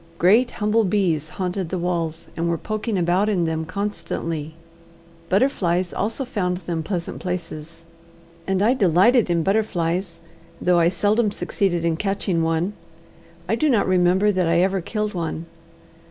Great humble bees haunted the walls, and were poking about in them constantly. Butterflies also found them pleasant places, and I delighted in butterflies, though I seldom succeeded in catching one. I do not remember that I ever killed one.